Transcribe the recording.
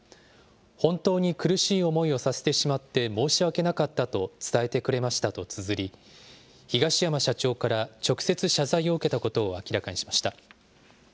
本当に苦しい思いをさせてしまって申し訳なかったと伝えてくれましたとつづり、東山社長から直接謝罪を受けたことを明らかにしました。